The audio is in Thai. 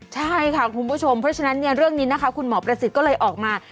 ใช่ค่ะคุณผู้ชมเพราะฉะนั้นเรื่องนี้นะคะคุณหมอประสิทธิ์ก็เลยออกมา